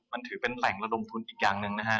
มันถือเป็นแหล่งระดมทุนอีกอย่างหนึ่งนะฮะ